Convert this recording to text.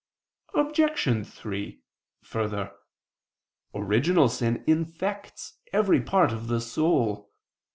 Obj. 3: Further, original sin infects every part of the soul.